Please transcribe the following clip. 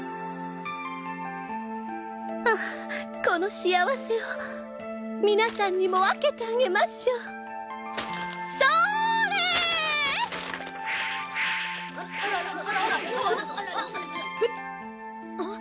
この幸せを皆さんにも分けてあげましょうそおーれえー！